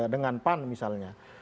dengan pan misalnya